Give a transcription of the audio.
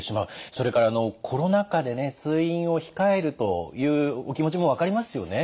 それからコロナ禍でね通院を控えるというお気持ちも分かりますよね。